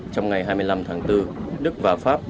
trong ngày hai mươi năm tháng bốn đức và pháp